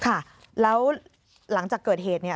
ค่ะแล้วหลังจากเกิดเหตุเนี่ย